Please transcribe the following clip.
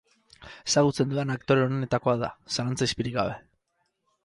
Ezagutzen dudan aktore onenetakoa da, zalantza izpirik gabe.